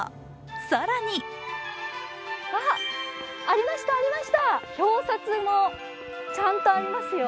更にあっ、ありました、表札もちゃんとありますよ。